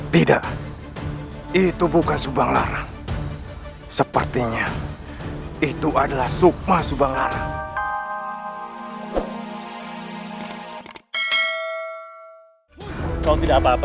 tidak itu bukan subang larang sepertinya itu adalah sukma subang larang kau tidak apa apa